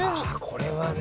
これはね